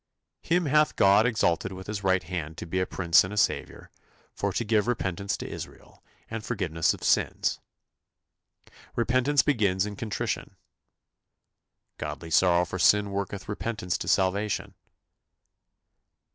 " "Him hath God exalted with his right hand to be a Prince and a Saviour, for to give repentance to Israel, and forgiveness of sins." Repentance begins in contrition. "Godly sorrow for sin worketh repentance to salvation."